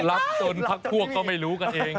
รับจนพักพวกก็ไม่รู้กันเอง